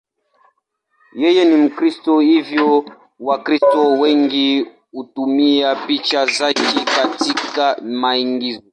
Yeye ni Mkristo, hivyo Wakristo wengi hutumia picha zake katika maigizo.